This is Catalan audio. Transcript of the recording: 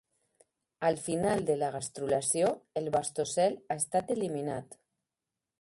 Al final de la gastrulació, el blastocel ha estat eliminat.